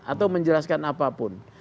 atau menjelaskan apapun